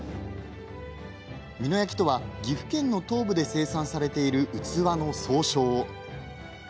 美濃焼とは、岐阜県の東部で生産されている器の総称。